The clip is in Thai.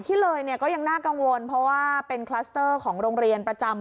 ที่เลยเนี่ยก็ยังน่ากังวลเพราะว่าเป็นคลัสเตอร์ของโรงเรียนประจำ